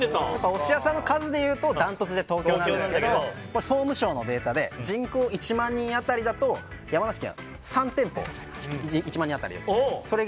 お寿司屋さんの数でいうとダントツで東京なんですけど総務省のデータで人口１万人当たりだと山梨県は１万人当たり３店舗。